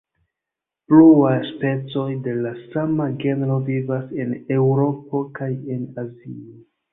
Pluaj specoj de la sama genro vivas en Eŭropo kaj en Azio.